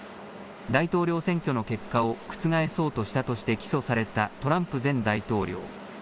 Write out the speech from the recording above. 大統領選挙の結果を覆そうとしたとして起訴されたトランプ前大統領。